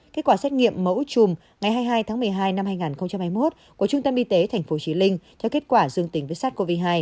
kết quả xét nghiệm mẫu chùm ngày hai mươi hai tháng một mươi hai năm hai nghìn hai mươi một của trung tâm y tế tp chí linh cho kết quả dương tính với sars cov hai